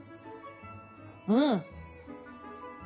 うん！